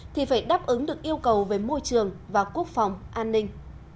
thì phải đáp ứng được yêu cầu về môi trường và quốc phòng an ninh